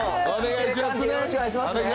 お願いします。